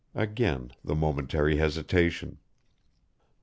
Again the momentary hesitation.